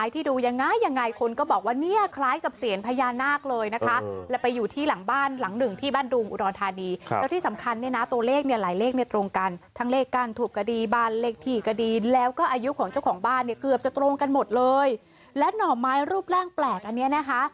ทั้งสองท่านคุณผู้ชมดูภาพนี้